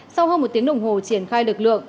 sau hơn một tiếng đồng hồ triển khai lực lượng